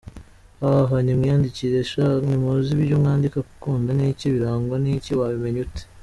hhhhh, nimwiyandikire sha ntimuzi ibyo mwandika, gukunda ni iki? birangwa niki? wabimenya ute?.